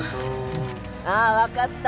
ああわかった。